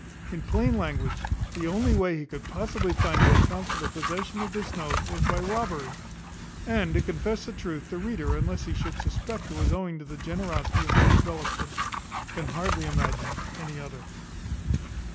In plain language, the only way he could possibly find to account for the possession of this note, was by robbery: and, to confess the truth, the reader, unless he should suspect it was owing to the generosity of Lady Bellaston, can hardly imagine any other.